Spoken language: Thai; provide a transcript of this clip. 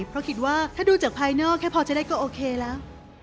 เพราะคิดว่าถ้าดูจากภายนอกแค่พอจะได้ก็โอเคแล้ว